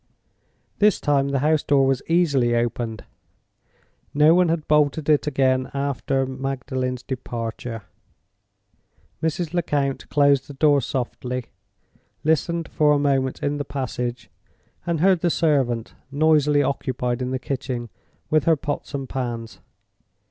This time the house door was easily opened: no one had bolted it again after Magdalen's departure. Mrs. Lecount closed the door softly, listened for a moment in the passage, and heard the servant noisily occupied in the kitchen with her pots and pans.